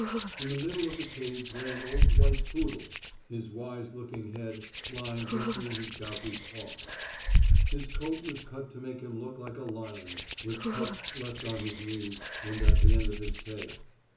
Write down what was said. In the middle of the cage lay an old white poodle, his wise looking head lying between his gouty paws. His coat was cut to make him look like a lion, with tufts left on his knees and at the end of his tail.